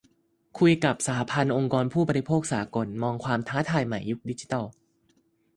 คุยกับ 'สหพันธ์องค์กรผู้บริโภคสากล' มองความท้าทายใหม่ยุคดิจิทัล